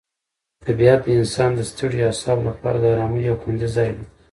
طبیعت د انسان د ستړیو اعصابو لپاره د آرامۍ یو خوندي ځای دی.